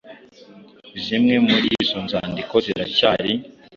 Zimwe muri izo nzandiko ziracyari